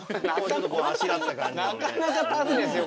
なかなかの感じですよ